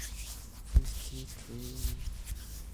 It is a real-time operating system intended for embedded devices.